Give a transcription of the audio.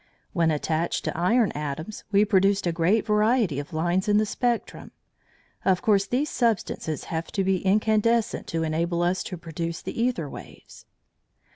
When attached to iron atoms we produced a great variety of lines in the spectrum. Of course these substances have to be incandescent to enable us to produce the æther waves.